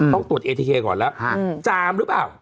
ต้องตรวจเอทีเคก่อนแล้วจามหรือเปล่า